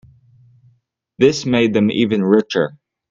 This made them even richer.